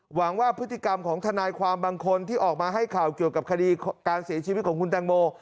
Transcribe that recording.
หวังว่าพฤติกรรมของทนายความบางคนที่ออกมาให้ข่าวเกี่ยวกับคดีการเสียชีวิตของคุณแตงโม